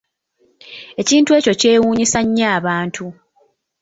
Ekintu ekyo kyewuunyisa nnyo abantu.